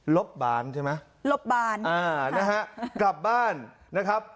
บบานใช่ไหมลบบานอ่านะฮะกลับบ้านนะครับ